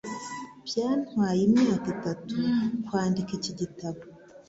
Byantwaye imyaka itatu kwandika iki gitabo.